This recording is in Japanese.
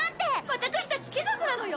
私達貴族なのよ！